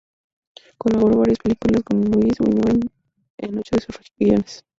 Colaboró varias películas con Luis Buñuel en ocho de sus guiones.